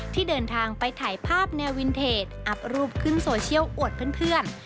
ที่เดินทางไปถ่ายภาพแนววินเทจอัพรูปขึ้นโซเชียลอวดเพื่อน